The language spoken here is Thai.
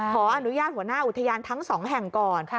ขออนุญาตหัวหน้าอุทยานทั้งสองแห่งก่อน